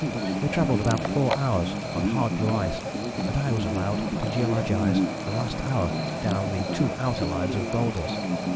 We travelled about 4 hours on hard blue ice, and I was allowed to geologize the last hour down the two outer lines of boulders.